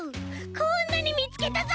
こんなにみつけたぞ。